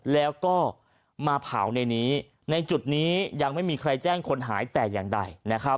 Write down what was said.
แล้วก็มาเผาในนี้ในจุดนี้ยังไม่มีใครแจ้งคนหายแต่อย่างใด